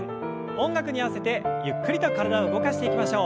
音楽に合わせてゆっくりと体を動かしていきましょう。